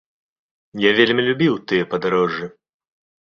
Я вельмі любіў тыя падарожжы.